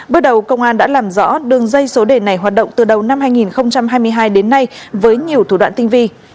bước đầu công an đã làm rõ đường dây số đề này hoạt động từ đầu năm hai nghìn hai mươi hai đến nay với nhiều thủ đoạn tinh vi